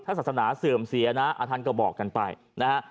ศาสนาเสื่อมเสียนะท่านก็บอกกันไปนะฮะ